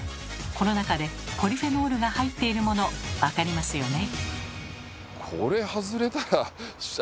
この中でポリフェノールが入っているもの分かりますよね？